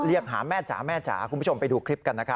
เรียกหาแม่จ๋าแม่จ๋าคุณผู้ชมไปดูคลิปกันนะครับ